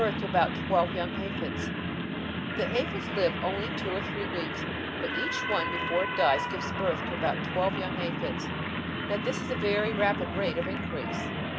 The aphids live only two or three weeks, but each one before it dies gives birth to about twelve young aphids. Now this is a very rapid rate of increase.